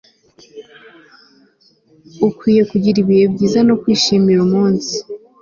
ukwiye kugira ibihe byiza no kwishimira umunsi